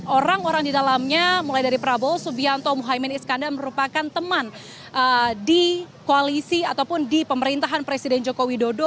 orang orang di dalamnya mulai dari prabowo subianto muhaymin iskandar merupakan teman di koalisi ataupun di pemerintahan presiden joko widodo